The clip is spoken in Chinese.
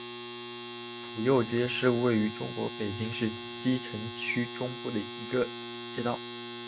府右街是位于中国北京市西城区中部的一条道路。